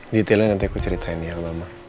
detailnya nanti aku ceritain ya sama mama